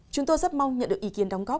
chúng tôi rất mong nhận được ý kiến đóng góp